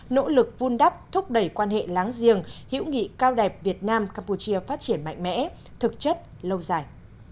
nỗ lực vun đắp thúc đẩy quan hệ láng giềng hữu nghị cao đẹp việt nam campuchia phát triển mạnh mẽ thực chất lâu dài